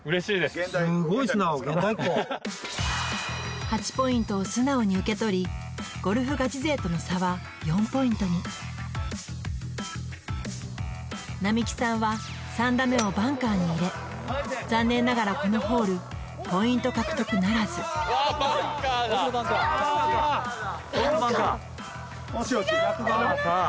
すごい素直現代っ子８ポイントを素直に受け取りゴルフガチ勢との差は４ポイントになみきさんは３打目をバンカーに入れ残念ながらこのホールポイント獲得ならずわバンカーだバンカー！